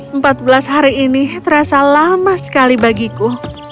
empat belas hari ini terasa lama sekali bagiku